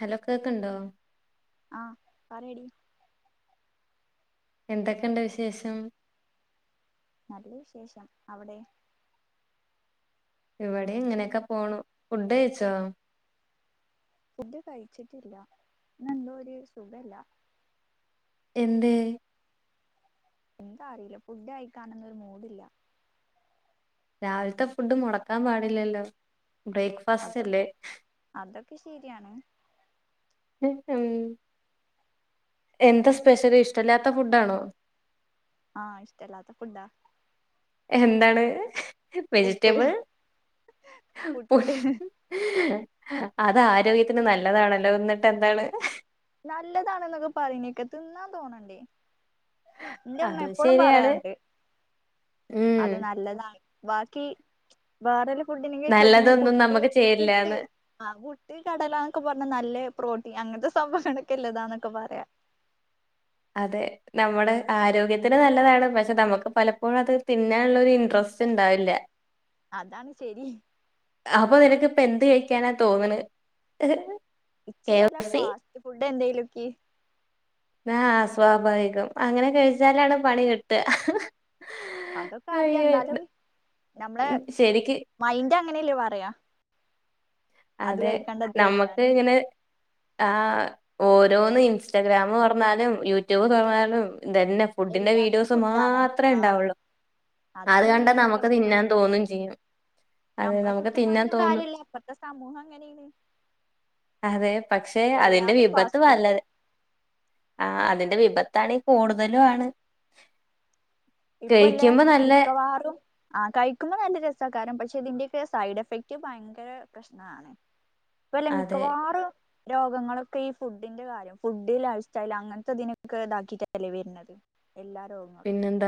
Hello കേക്കുണ്ടോ ആഹ് പറയടി എന്തൊക്കെണ്ട് വിശേഷം നല്ല വിശേഷം അവിടെയോ ഇവിടെ ഇങ്ങനെയൊക്കെ പോണു, ഫുഡ് കഴിച്ചോ ഫുഡ് കഴിച്ചിട്ടില്ല ഇന്ന് എന്തൊരു സുഖല്ല എന്തെ എന്താ അറിയില്ല ഫുഡ് കയിക്കാനന്നരു മൂഡില്ല രാവിലത്തെ ഫുഡ് മുടക്കാൻ പാടില്ലല്ലോ ബ്രേക്ക്ഫാസ്റ്റ് അല്ലേ അതൊക്കെ അതൊക്കെ ശെരിയാണ് ഉം എന്താ സ്പെഷ്യൽ ഇഷ്ടമല്ലാത്ത ഫുഡാണോ ആഹ് ഇഷ്ട ഇല്ലാത്ത ഫുഡാ എന്താണ് പുട്ട് വെജിറ്റബിൾ പുട്ട് അത് ആരോഗ്യ ത്തിന് നല്ലതാണല്ലോ ന്നിട്ട് എന്താണ്? നല്ലതാണെന്നൊക്കെ പറഞ്ഞേക്ക തിന്നാൻ തോന്നണ്ടേ? ന്റെമ്മ അതും എപ്പോഴും ശരിയാണ് പറയാറുണ്ട്. ഉം അത് നല്ലതാണ്. ബാക്കി ബേറല് ഫുഡിനെക്കെ വെച്ചോക്കുമ്പോ നല്ലതൊന്നും പുട്ട് നമുക്ക് പുട്ട് ചേരില്ലാന്ന് ആ പുട്ട് കടലാന്നൊക്കെ പറഞ്ഞ നല്ലേ പ്രോട്ടി അങ്ങനത്തെ [unintelligible] അനക്കില്ലതാന്നൊക്കെ പറയാ അതെ നമ്മുടെ ആരോഗ്യത്തിന് നല്ലതാണ്. പക്ഷേ നമക്ക് പലപ്പോഴും അത് തിന്നാൻള്ള ഒരു ഇൻട്രസ്റ്റ് ക്ഷേണ്ടാവില്ല അതാണ് ശരി ഇപ്പ എന്ത് കഴിക്കാനാ തോന്ന്ണ്? ഇച്ച് വല്ല ഫാസ്റ്റ് ഫുഡ് എന്തെലൊക്കി ആ സ്വാഭാവികം. അങ്ങനെ കഴിച്ചാലാണ് പണി കിട്ടാ അതൊക്കെ അറിയന്നാലും നമ്മളെ ഉം, ശരിക്ക് മൈൻഡ് അങ്ങനല്ലേ പറയാ? അത് അതെ കഴിക്കണ്ട ഇത് നമ്മക്ക് കഴിക്കാന് ഇങ്ങനെ ആ ഓരോന്ന് ഇൻസ്റ്റഗ്രാമ് തൊറന്നാലും യൂട്യൂബ് തൊറന്നാലും ഇതെന്നെ ഫുഡിന്റെ എല്ലായിടത്തും വീഡിയോസ് ഫുഡാണ് ആഹ് മാത്രേണ്ടാവുള്ളൂ. അത് അതാണ് കണ്ട മെയിൻ നമ്മുക്ക് പ്രശ്നം തിന്നാൻ തോന്നും ചെയ്യും. അതെ നമ്മളെ നമുക്ക് കുറ്റം തിന്നാൻ പറഞ്ഞിട്ടും തോന്നും. കാര്യല്ല ഇപ്പത്തെ സമൂഹം അങ്ങനെയാണ് അതെ. പക്ഷേ അതിന്റെ എല്ലാതും വിപത്ത് ഫാസ്റ്റ് വള ഫുഡ് ആ അതിന്റെ വിപത്താണെ കൂടുതലും ആണ്. ഇപ്പല്ലേ കഴിക്കുമ്പോ നല്ല മിക്കവാറും ആ കയിക്കുമ്പോ നല്ല രസാക്കാരം. പക്ഷേ ഇതിന്റെയൊക്കെ സൈഡ് എഫക്ട് ഭയങ്കര പ്രശ്നാണ്. വല്ല അതെ മിക്കവാറും രോഗങ്ങളൊക്കെ ഈ ഫുഡിന്റെ കാര്യം. ഫുഡ്, ലൈഫ് സ്റ്റൈൽ അങ്ങനത്തെ ഇതിനെയൊക്കെ ഇതാക്കിട്ടല്ലേ വര്ന്നത്. എല്ലാ രോഗങ്ങളും പിന്നെന്താ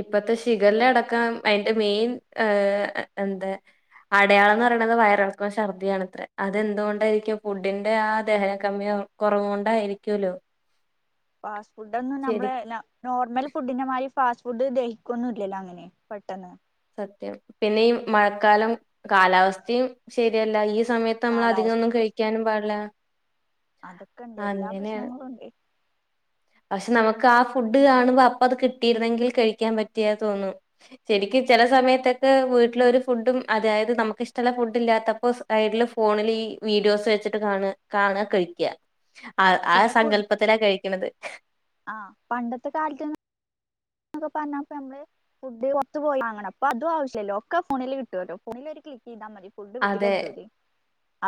ഇപ്പത്തെ ഷിഗെല്ല അടക്കം അയിന്റെ മെയിൻ ഏ എന്ത് അടയാളംന്ന് പറയണത് വയറിളക്കോം ശർദിയും ആണത്രേ. അതെന്ത്കൊണ്ടായിക്കും? ഫുഡിന്റെ ആ ദഹന കമ്മ്യോ കൊറവ് കൊണ്ടായിരിക്കുലോ ഫാസ്റ്റ് ഫുഡൊന്നും നമ്മള് ല നോർമൽ ഫുഡിന്റെമാരി ഫാസ്റ്റ് ഫുഡ് ദഹിക്കൊന്നുല്ലല്ലോ അങ്ങനെ പെട്ടെന്ന്. സത്യാണ്. പിന്നെ ഈ മഴക്കാലം കാലാവസ്ഥിയും ശരിയല്ല. ഈ സമയത്ത് നമ്മള് അധികൊന്നും കാലാവസ്ഥയും പ്രശ്ന കഴിക്കാനും പാടൂല്ല. അതൊക്കെ ഉണ്ട് എല്ലാ അങ്ങനെയാണ് പ്രശ്നങ്ങളും ഉണ്ട് പക്ഷേ നമുക്ക് ആ ഫുഡ് കാണുമ്പോ അപ്പ അത് കിട്ടിയിരുന്നെങ്കിൽ കഴിക്കാൻ പറ്റിയ തോന്നും. ശരിക്കും ചെല സമയത്തൊക്കെ വീട്ടില് ഒരു ഫുഡും അതായത് നമ്മക്ക് ഇഷ്ടള്ള ഫുഡ് ഇല്ലാത്തപ്പോ സൈഡിൽ ഫോണില് ഈ വീഡിയോസ് വെച്ചിട്ട് കാണാ കാണാ കഴിക്കാ. ആ ആ പിന്നെ ഫു സങ്കല്പത്തിലാ കഴിക്കണത്. ആ പണ്ടത്തെ കാലത്ത് ന്നൊക്കെ പറഞ്ഞ ഇപ്പോ ഞമ്മള് ഫുഡ് പൊറത്തു പോയി വാങ്ങണം. ഇപ്പോ അതും ആവശ്യല്ലല്ലോ. ഒക്കെ ഫോണില് കിട്ടുവല്ലോ. ഫോണിൽ ഒര് ക്ലിക്കിയ്ത മതി ഫുഡ് അതെ വീട്ടിലെത്തൂലേ?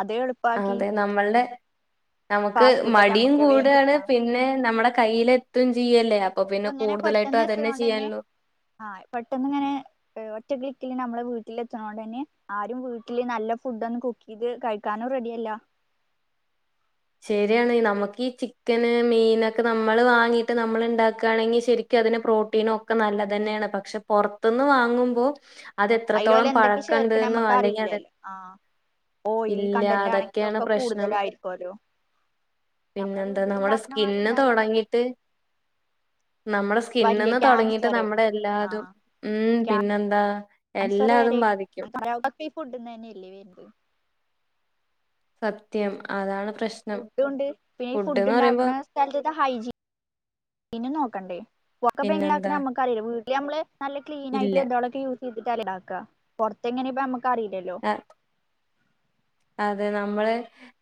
അത് എളുപ്പാക്കി അതെ നമ്മൾടെ നമുക്ക് ഫാസ്റ്റ് ഫുഡ് ഒക്കെ മടിയും നമുക്ക് വേഗം കൂട്വാണ്. കിട്ടാം പിന്നെ നമ്മടെ കയ്യില് എത്തും ചിയ്യല്ലേ? ഇപ്പ ഇങ്ങനെ പെട്ടെന്ന് എത്ത്ണോണ്ടെന്നെ ആ പെട്ടെന്ന് ഇങ്ങനെ ഏ ഒറ്റ ക്ലിക്കില് ഞമ്മള് വീട്ടിലെത്ത്ണോണ്ടെന്നെ ആരും വീട്ടില് നല്ല ഫുഡ് ഒന്നും കുക്ക് ചെയ്ത് കഴിക്കാനും റെഡി അല്ല. ശരിയാണ്. നമുക്ക് ഈ ചിക്കന്, മീനൊക്കെ നമ്മള് വാങ്ങീട്ട് നമ്മൾ ഇണ്ടാക്കാണെങ്കി ശരിക്കും അതിന് പ്രോട്ടീനും ഒക്കെ നല്ലതന്നെയാണ്. പക്ഷെ പൊറത്ത്ന്ന് വാങ്ങുമ്പോ അയിലോല് അതെത്രത്തോളം എന്തൊക്കെ ചേർക്കണ പഴക്കംണ്ട്ന്നോ നമ്മക്ക് അല്ലെങ്കി അത് അറിയില്ലല്ലോ ആഹ് ഓയിൽ ഇല്ല കണ്ടന്റ് ആണെങ്കിലും അതൊക്കെയാണ് ഒക്കെ പ്രശ്നം കൂടുതലായിരിക്കുവല്ലോ നമ്മളെ പിന്നെന്താ നമ്മുടെ വീട്ടിലുണ്ടാക്കണ പോലെ സ്കിന് എന്തായാലും തൊടങ്ങീട്ട് നമ്മുടെ വല്യ സ്കിൻന്ന് തൊടങ്ങീട്ട് ക്യാൻസറ് നമ്മുടെ എല്ലാതും ഉം പിന്നെന്താ കാൻസറ് എല്ലാതും വരെ ബാധിക്കും [unintelligible] ഒക്കെ ഈ ഫുഡ്ന്ന് തന്നെയല്ലേ വര്ന്നത്. സത്യം. അതാണ് പ്രശ്നം ഫുഡ്‌ ഉണ്ട് പിന്നെ ഫുഡ് ഫുഡ്ന്ന് പറയുമ്പോ ഉണ്ടാക്കുന്ന സ്ഥലത്ത് ഹൈജിന് നോക്കണ്ടേ ഒക്കെ ഇപ്പ എങ്ങനെ പിന്നെന്താ ഇണ്ടാക്ക്ണേ അമ്മക്കറീല. വീട്ടില് അമ്മള് നല്ല ക്ലീൻ ഇല്ല ആയിട്ട്ള്ള ഇത്കളൊക്കെ യൂ ചെയ്തിട്ടല്ലെ ഇണ്ടാക്ക. പൊറത്തെങ്ങനെ ഇപ്പ അമ്മക്കറീലല്ലോ. ആ, അതെ നമ്മള്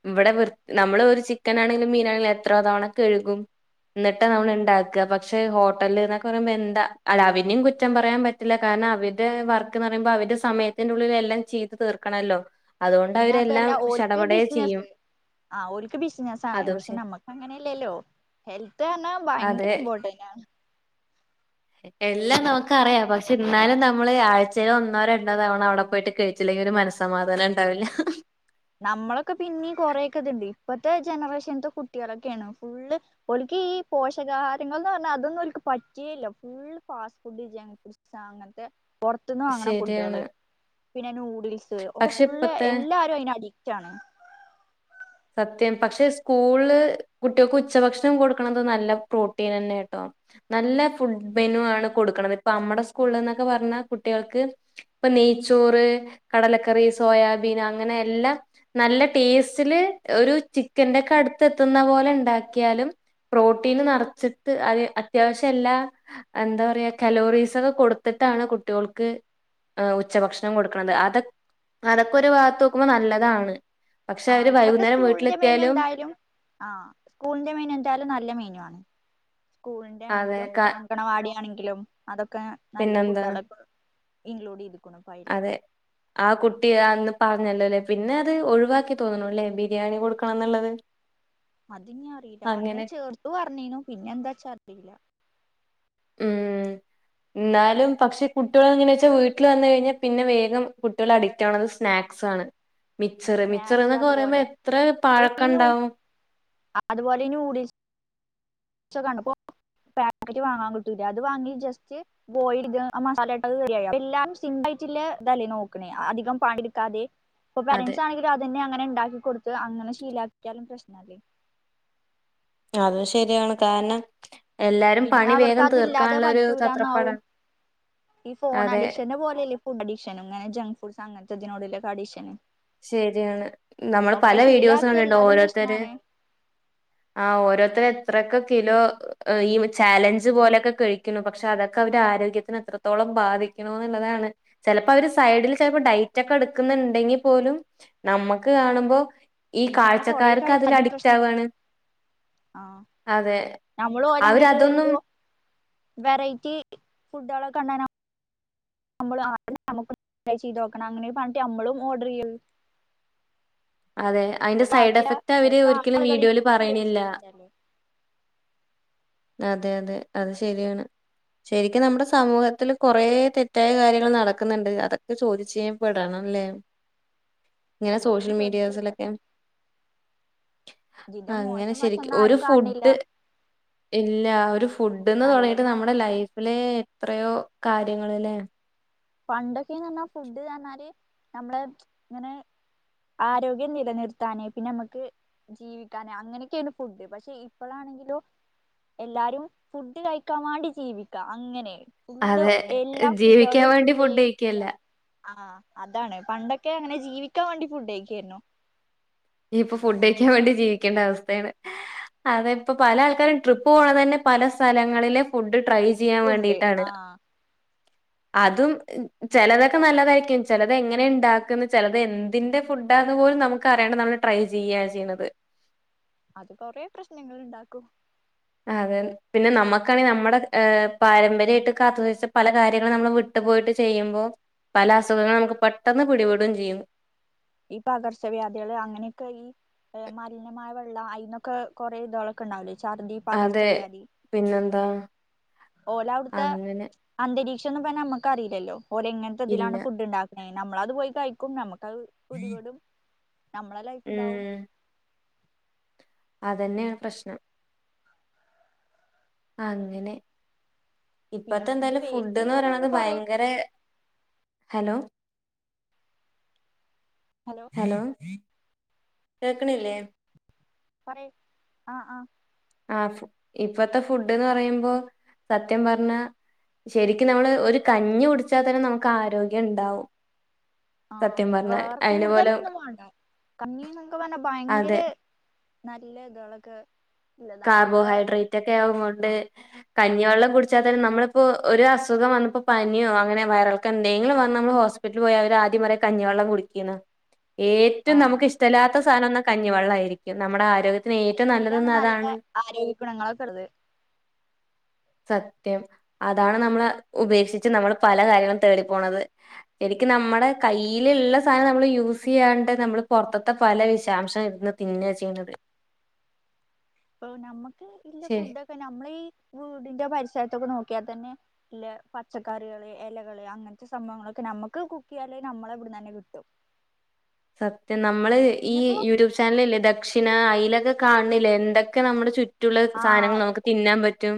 ഇവിടെ വൃ നമ്മള് ഒരു ചിക്കൻ ആണെങ്കിലും മീനാണെങ്കിലും എത്ര തവണ കഴുകും. ഇന്നിട്ട നമ്മൾ ഇണ്ടാക്ക. പക്ഷെ ഹോട്ടല് ന്നൊക്കെ പറയുമ്പോ എന്താ അല്ല അതിനേം കുറ്റം പറയാൻ പറ്റില്ല കാ രണം അവര്ടെ വർക്ക്ന്ന് പറയുമ്പോ അവര്ടെ സമയത്തിന്റെ ഉള്ളിൽ എല്ലാം ചെയ്ത് തീർക്കണല്ലോ അതോ പിന്നെ അവരെല്ലാം ശടപടെ ചെയ്യും. ആ ഓൽക്ക് ബിസ്സിനസ്സാണ്. അതും പക്ഷെ ശരി നമ്മക്ക് അങ്ങനെയല്ലല്ലോ. ഹെൽത്ത്റഞ്ഞാ ഭയങ്കര അതെ ഇമ്പോർട്ടന്റ് ആണ്. എല്ലാം നമുക്കറിയാം. പക്ഷെ ഇന്നാലും നമ്മള് ആഴ്ച്ചേൽ ഒന്നോ രണ്ടോ തവണ അവിടെ പോയിട്ട് കഴിച്ചില്ലെ ങ്കി ഒരു മനസ്സമാധാനം ഇണ്ടാവില്ല. നമ്മളൊക്കെ പിന്നീം കൊറെയൊക്കെ ഇതുണ്ട് ഇപ്പഴത്തെ ജനറേഷൻത്തെ കുട്ടികളൊക്കെയാണ് ഫുള്ള് ഓൽ ക്ക് ഈ പോഷകാഹാരങ്ങൾന്ന് പറഞ്ഞ അതൊന്നും ഓൽക്ക് പറ്റേ ഇല്ല full fast food junk foods അങ്ങ പൊർത്തുന്ന് വാങ്ങ്ണ ശരിയാണ് ഫൂഡേള്. പിന്നെ നൂഡിൽസ് ഒക്കെ പക്ഷെ ഫുള്ള് ഇപ്പത്തെ എല്ലാരും അയ്ന അടി റ്റാണ് സത്യം പക്ഷെ സ്കൂൾള് കുട്ടേൾക്ക് ഉച്ചഭക്ഷണം കൊടുക്കണത് നല്ല പ്രോട്ടീനെന്നെ ട്ടോ നല്ല ഫുഡ് മെനു ആണ് കൊടുക്കണത്. ഇപ്പ നമ്മുടെ സ്കൂള് ന്നൊക്കെ പർഞ്ഞാകുട്ടികൾക്ക് ഇപ്പ നെയ് ചോറ് കടലക്കറി സോയാബീൻ അങ്ങനെ എല്ലാം നല്ല ടേസ്റ്റില് ഒരു ചിക്കന്റെ ഒക്കെ അടുത്ത് എത്തുന്ന പോലെ ഉണ്ടാക്കിയാലും പ്രോട്ടീന് നറച്ട്ട് അത് അത്യാവശ്യം എല്ലാ എന്താ പറയാ കലോറീസ ഒക്കെ കൊടുത്തിട്ട് ട്ടാണ് കുട്ടിയോൾക്ക് ആ ഉച്ചഭക്ഷണം കൊടുക്കണത്. അത അതൊക്കെ ഒരു ഭാഗത്ത് നോക്കുമ്പോ നല്ലതാണ് പക്ഷെ ആ അവര് വൈ ഇപ്പത്തെ സ്കൂളിന്റെ മെനു എന്തായാലും ആ സ്കൂളിന്റെ മേനു എന്തായാലും നല്ല മെനു ആണ് അതെ സ്കൂളിന്റെണെങ്കിലും ക അങ്കണവാടി ആണെങ്കിലും അതൊക്കെ നല്ല പിന്നെന്താ ഫുഡ്ളാ കൊടക്കണ് ഇൻഗ്ഗ്ള്ഡ് ചെയ്യ്തു അതെ ആ കുട്ടി അന്ന് പ ഞ്ഞല്ലോല്ലേ പിന്നെ അത് ഒഴിവാക്കി തോന്നുണു ല്ലേ ബിരിയാണി കൊടുക്കണം ന്നുള്ളത് അത്ഞ്ഞ്അറീല. അന്നേ ചേർത്തു പറഞ്ഞീനു പിന്നെ എന്താച്ചാ അറീല്ല ഉം ഉം ന്നാലും പക്ഷെ കുട്ടിയോള് എങ്ങനെച്ചാ വീട്ടില് വന്നഴിഞ്ഞാ പിന്നെ വേഗം കുട്ടേള് അഡിക്റ്റ് ആവണത് സ്നാക്സ് ആണ് മിച്ചറ് മിച്ചറ് സ്നാക്സ് ന്നൊക്കെ പറയുമ്പോ അതുപോലെ എത്ര ഇപ്പൊ ഈ നൂ പാഴക്കണ്ടാവും അതുപോലെ ഈ ന്യൂഡിൽസ് കണ്പോ പാക്കറ്റ് വാങ്ങാൻ കിട്ടൂലെ അത് വാങ്ങി ജസ്റ്റ് ബോയില് ആ മസാലട്ടി അയ്റ്റ്ല്ലേ താ ല്ലേ നോക്കണേ അധികം പണിട്ക്കാതെ ഇപ്പൊ അതെ പാരൻറ്സ്ആണെങ്കിലും അതന്നെ അങ്ങനെ ഉണ്ടാക്കിക്കൊടുത്ത് അങ്ങനെ ശീലാക്കിയാലും പ്രശ് ന്നാലെ അതും ശരിയാണ് കാരണം എല്ലാരും പിന്നെ പണി അവർക്ക് വേഗം അതില്ലാതെ തീർക്കാള്ളരു പറ്റൂലന്നാവും ചത്രപ്പാടാണ് ഈ ഫോണഡിക്ഷന്റെ പോലെല്ലേ ഫുഡ് അഡിക്ഷനും ങ്ങനെ ജങ്ക് ഫുഡ് അങ്ങൻത്തെതിനോടുള്ളഅഡിക്ഷന് ശരിയാണ് നമ്മള് പല വീഡിയോസും ശീലാക്കിയ കണ്ടിട്ടുണ്ടാവും എല്ലാതും ഓരോര്ത്തര് പ്രശ്നാണ് ആ. ഓരോരുത്തര് എത്രക്കൊക്കെ കിലോ ഈ ചാലഞ്ച് പോലെക്കെ കഴിക്കുന്നു പക്ഷെ അതൊക്കെ അവരെ ആരോഗ്യത്തിന് എത്രത്തോളം ബാധി ക്ക്ണു എന്നുള്ളതാണ്. ചെലപ്പോ അവര് സൈഡിൽ ചൽപ്പോ ഡൈറ്റ് ഒക്കെ എടുക്കുന്നുണ്ടെങ്ങി പോലും നമ്മക്ക് കാണുമ്പോ ഈ ഇങ്ങനെ കൊറേ കാഴ്ചക്കാർക്ക് കഴിച്ചാലും അതിലഡിക്റ്റ് പ്രശ്നാണ് ആവാണ് ആ അതെ നമ്മള് ഓരണ്ടിട്ട് അവരതൊന്നും പ്പൊ വെറൈറ്റി ഫുഡോളൊക്കെ കണ്ടാന നമ്മള് ആ അതുപിന്നെ നമ്മക്കൊന്ന് ട്രൈ ചെയ്ത് നോക്കണം അങ്ങനേ പർഞ്ഞിട്ട് നമ്മളും ഓർഡർ യ്യോല് അതെ. അയ്ന്റെ സൈഡ് എഫക്ട് അവര് ഒരിക്കലും ആളുകളെയും വീഡിയോയില് കൂടെ ഇൻഫ്ലുവൻസ് പറണില്ല ചെയ്യുന്നുണ്ടല്ലോ അതെ അതെ അത് ശരിയാണ് ശരിക്കും നമ്മുടെ സമൂഹത്തില്ൽ കുറെ തെറ്റായ കാര്യങ്ങൾ നടക്കുന്നുണ്ട് അതൊക്കെ ചോദ്യം ചെയ്യ പെടണം അല്ലെ ഇങ്ങനെ ശരിക്കും സോഷ്യൽ ചോദിച്ചപ്പ മീഡിയാസിലൊക്കെ ഇതിന്റെ അങ്ങനെ മോശം ശെരിക്. വശൊന്നും ഒരു ആരും കാണില്ല ഫുഡ് ഇല്ല ഒരു ഫുഡ്ന്ന് നല്ലത് തൊടങ്ങീട്ട് നമ്മുടെ മാത്രമേ ലൈഫിലേ എത്രയോ കാര്യങ്ങള് ലേ പണ്ടൊക്കെന്ന്ർഞ്ഞാ ഫുഡ്ന്നർഞ്ഞാല് നമ്മളെ ഇങ്ങനെ ആരോഗ്യം നിലനിർത്താനേ പിന്നെ അമ്മക്ക് ജീവിക്കാന് അങ്ങനൊക്കേണ് ഫുഡ്. പക്ഷെ ഇപ്പളാണെങ്കിലും എല്ലാരും ഫുഡ് കഴിക്കാവാണ്ടി ജീവിക്ക അങ്ങനെണ് അതെ ജീവിക്കാൻ വേണ്ടി ഫുഡ്കഴിക്കല്ല ആ. അതാണ് പണ്ടൊക്കെ അങ്ങനെ ജീവിക്കാവാണ്ടി ഫുഡ്യ്ക്കേയ്ന്നു ഇനിപ്പൊ ഫുഡ്യ്ക്കാവേണ്ടി ജീവിക്കേണ്ട അവസ്തേണ് അതെ ഇപ്പോ പല ആൾക്കാരും ട്രിപ്പ് പോകണ തന്നെ പല സ്ഥലങ്ങളിലെ ഫുഡ് ട്രൈ ചെയ്യാൻ ഫുഡ് വേണ്ടീട്ടാണ് ആഹ് അതും ചെലതൊക്കെ നല്ലതായിരിക്കും ചെലത് എങ്ങനെ ഉണ്ടാക്കുന്ന്. ചെലത് എന്തിന്റെ ഫുഡ അതുപോലും നമുക്കറിയണ് നമ്മള് ട്രൈ ചെയ്യ ചെയ്യണത്. അത് കൊറെ പ്രശ്നങ്ങളുണ്ടാക്കും. അതെ പിന്നെ നമ്മക്കാണെങ്കിൽ നമ്മടെ പാരമ്പര്യയിട്ട് കാത്തു സൂക്ഷിച്ച പല കാര്യങ്ങളും നമ്മള് വിട്ട് പോയിട്ട് ചെയ്യുമ്പോ പല അസുഖങ്ങൾ നമുക്ക് പെട്ടെന്ന് പിടിപെടുകയും ചെയ്യു ഈ പകർച്ചവ്യാധികള് അങ്ങനെയൊക്കെ ഈ മലിനമായ വെള്ള അയ്ന്നൊക്കെ കുറെേ ഇതളൊക്കെ ണ്ടാവില്ലേ? അതെ പിന്നെന്താ? ഓലവ്ടുത്തെ അങ്ങനെ അന്തരീക്ഷംന്നും പ്പൊ നമ്മുക്കറില്ലല്ലോ ഓലങ്ങനത്തെ ഇല്ല തിലാണ് ഫുഡ് ണ്ടാക്കുന്ന നമ്മളത് പോയി കഴിക്കും നമുക്കത് പിടിപെടും. നമ്മളെ ലൈഫ് ഇതാവും. അതന്നെയാ പ്രശ്നം. അങ്ങനെ. പിന്നെ ഇപ്പത്തെ ഫുഡ് ന്താലും വേസ്റ്റ് ഫുഡ്ന്ന് ചെയ്യുന്നതുണ്ട് പറയണത് കൊറേ ഭയങ്കര ഹലോ ഹലോ കേക്ക്ണില്ലേ? പറയ് ആ ആ. ആ ഫു ഇപ്പത്തെ ഫുഡ്ന്ന് പറയുമ്പോ സത്യം പറഞ്ഞ ശരിക്കും നമ്മള് ഒരു കഞ്ഞി ഉടിച്ചാ തന്നെ നമുക്ക് ആരോഗ്യം ണ്ടാവും. ആ വേറെ കൂടുതലൊന്നും വേണ്ട കഞ്ഞീന്നക്ക പറഞ്ഞ അതെ ഭയങ്കര നല്ല ഇത്ളക്കൊ കാർബോഹൈഡ്രേറ്റൊക്കെ അവ്ണ്ട് ആഹ് കഞ്ഞി വെള്ളം കുടിച്ചാത്തന്നെ നമ്മളിപ്പോ ഒരു അസുഖം വന്നപ്പോ പനിയോ അങ്ങനെ വയറളക്കെ ന്തെങ്കിലും വന്ന നമ്മൾ ഹോസ് ഹോസ്പിറ്റിൽ പോയ അവര് ആദ്യം പറ കഞ്ഞിവെള്ളം കുടിക്കന്ന്. ഏറ്റവും ആഹ് നമുക്ക് ഇഷ്ടല്ലാത്ത സാധനംന്ന കഞ്ഞിവെള്ളയിരിക്കും നമ്മുടെ ആരോഗ്യത്തിന് പക്ഷെ ഏറ്റവും അയിലാണ് നല്ലതന്ന് നല്ല അതാണ്. ആരോഗ്യ ഗുണങ്ങളൊക്കെരുത്. സത്യം അതാണ് നമ്മള് ഉപേക്ഷിച്ച് നമ്മൾ പല കാര്യങ്ങളും തേടിപ്പോണത്. ക്ക് നമ്മടെ കയ്യിലുള്ള സാധനം മ്മൾ യൂസ് ചെയ്യാണ്ട് നമ്മൾ പുറത്തത്തെ പല വിഷാംശം ഇരുന്ന് തിന്ന് പിന്നാചെയ് ഇപ്പൊ നമ്മുക്ക് ഇല്ല ഫുഡൊക്കെ നമ്മളീ വീടിന്റെ പരിസരത്തൊക്കെ നോക്കിയാ തന്നെ ഇല്ല പച്ചക്കറികള് ഇലകള് അങ്ങനത്തെ സംഭവങ്ങളൊക്കെ തന്നെ നമുക്ക് കുക്ക് ചെയ്യാള്ളത് നമ്മള ഇവിടന്ന്ന്നെ കിട്ടും. സത്യം നമ്മള് ഈ പിന്നെപ്പോ യൂട്യൂബ് ചാനലല്ലേ ദക്ഷിണ അയ്‌ല കാണ് ണിലേ എന്തൊക്കെ നമ്മുടെ ചുറ്റുള്ള സാനങ്ങൾ ആഹ് നമുക്ക് തിന്നാൻ പറ്റും.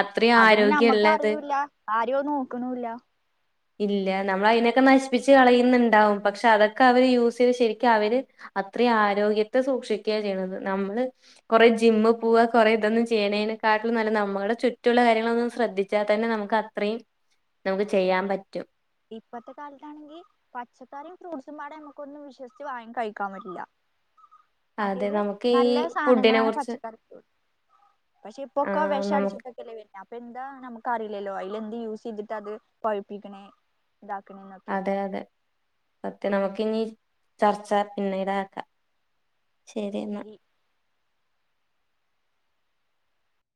അത്രയും അതൊന്നും മ്മക്ക് ആരോഗ്യള്ളത് അറിയൂല്ല ആരോയും നോക്കുണുല്ല. ഇല്ല നമ്മൾ അയ്നൊക്കെ നശിപ്പിച്ച് കളയുന്നുണ്ടാവും പക്ഷെ അതൊക്കെ അവര് യൂ യുസ് ചെയ്ത് ശരിക്കവര് അത്ര ആരോഗ്യത്തെ സൂക്ഷിക്ക ചെയ്യണത് നമ്മള് കൊറേ ജിമ്മ് പൊവാ കൊറേ ഇതൊന്നും ചെയ്യണേന്നനെകാട്ടിലും നല്ല നമ്മളുടെ ചുറ്റുള്ള കാര്യങ്ങളൊന്നും ശ്രദ്ധിച്ചാ തന്നെ നമക്കത്രയും നമുക്ക് ചെയ്യാൻ പറ്റും. ഇപ്പത്തെ കാലത്താണെങ്കിൽ പച്ചക്കറിം ഫ്രൂട്സുംപാടെ നമ്മക്കൊന്നും വിശ്വസിച്ച് വാങ്ങി കഴിക്കാൻ പറ്റില്ല. അതെ മറ്റേത് നമുക്ക് ഈ നല്ല ഫുഡിനെ സാനങ്ങളാണ് കുറിച്ച് പച്ചക്കറിക്കോ ആ പക്ഷെപൊക്ക നമുക്ക് വേഷടിച്ചിട്ടൊക്കല്ലെ വര്നെ പ്പൊന്താ ന കറില്ലല്ലോ അയ്ലന്ത് യൂസ് ചെയ്തിട്ടത് പഴിപ്പിക്കണേ. അതെ അതെ മറ്റേ നമുക്ക്നി ചർച്ച പിന്നീടാക്കാ. ശരിന്നാ. ശരി